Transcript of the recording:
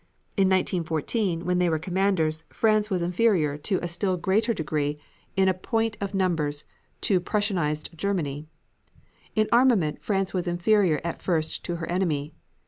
In 1914, when they were commanders, France was inferior to a still greater degree in point of numbers to Prussianized Germany. In armament, France was inferior at first to her enemy.